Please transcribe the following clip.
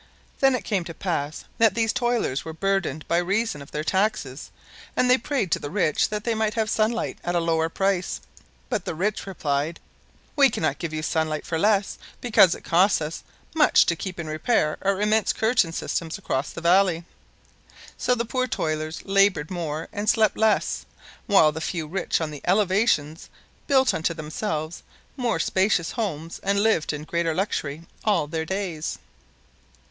Then it came to pass that these toilers were burdened by reason of their taxes and they prayed to the rich that they might have sunlight at a lower price, but the rich replied: "We cannot give you sunlight for less because it costs us much to keep in repair our immense curtain systems across the valley." So the poor toilers labored more and slept less, while the few rich on the elevations built unto themselves more spacious homes and lived in greater luxury all their days.